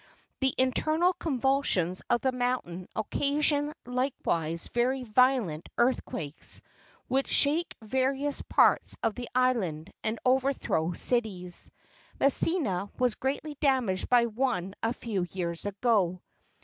The in¬ ternal convulsions of the mountain occasion like¬ wise very violent earthquakes; which shake vari¬ ous parts of the island, and overthrow cities. Messina was greatly damaged by one a few years ago.